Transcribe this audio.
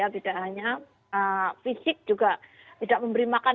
tidak hanya fisik juga tidak memberi makan